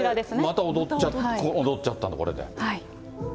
また踊っちゃったの、これで。